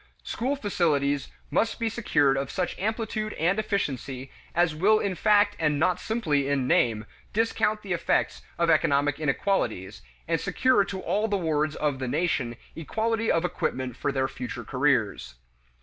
School facilities must be secured of such amplitude and efficiency as will in fact and not simply in name discount the effects of economic inequalities, and secure to all the wards of the nation equality of equipment for their future careers.